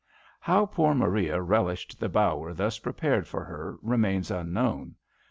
How poor Maria relished the bower thus prepared for her remains unknown.